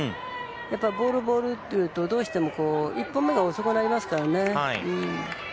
ボール、ボールとなるとどうしても１歩目が遅くなりますからね。